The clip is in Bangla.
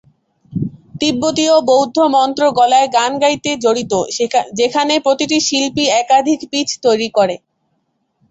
তিব্বতীয় বৌদ্ধ মন্ত্র গলায় গান গাইতে জড়িত, যেখানে প্রতিটি শিল্পী একাধিক পিচ তৈরি করে।